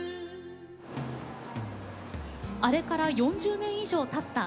あれから４０年以上たった